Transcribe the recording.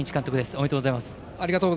おめでとうございます。